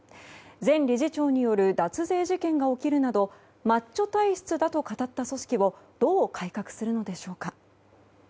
前理事長による脱税事件が起きるなどマッチョ体質だと語った組織をどう改革するのでしょうか。